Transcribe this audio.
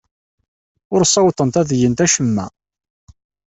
Ur ssawḍent ad gent acemma.